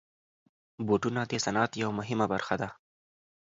بوټونه د صنعت یوه مهمه برخه ده.